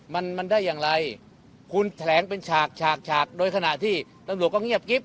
มันมันได้อย่างไรคุณแถลงเป็นฉากฉากฉากโดยขณะที่ตำรวจก็เงียบกิ๊บ